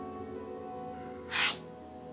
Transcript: はい。